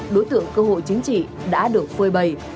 đối tượng cơ hội chính trị đã được phơi bày